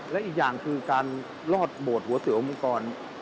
และอีกอย่างคือการรอดโหดหัวเสือวมงคล